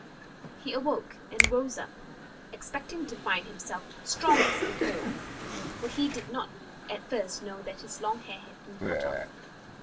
He awoke, and rose up, expecting to find himself strong as before; for he did not at first know that his long hair had been cut off.